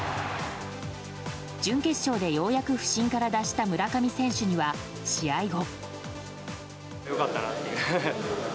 準決勝でようやく不振から脱した村上選手には試合後。